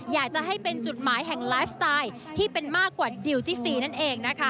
อยากจะให้เป็นจุดหมายแห่งไลฟ์สไตล์ที่เป็นมากกว่าดิวตี้ฟรีนั่นเองนะคะ